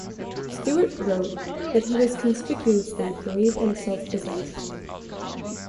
Stuart wrote that he was conspicuously brave and self-possessed.